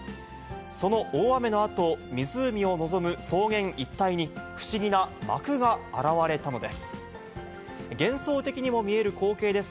その大雨のあと、湖を望む草原一帯に、不思議な膜が現れたのです。